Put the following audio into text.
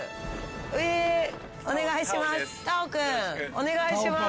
お願いします。